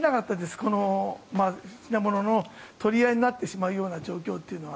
この品物の取り合いになってしまうような状況というのは。